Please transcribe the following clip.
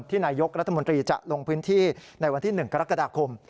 นายกรัฐมนตรีจะลงพื้นที่ในวันที่๑กรกฎาคม